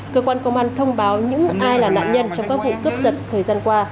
cơ quan công an thông báo những ai là nạn nhân trong các vụ cướp giật thời gian qua